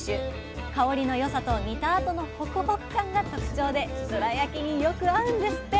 香りの良さと煮たあとのホクホク感が特徴でどら焼きによく合うんですって！